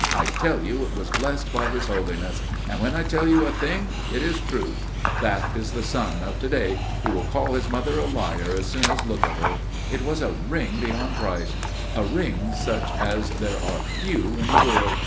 "I tell you it was blessed by His Holiness and when I tell you a thing it is true. That is the son of to day. He will call his mother a liar as soon as look at her. It was a ring beyond price. A ring such as there are few in the world.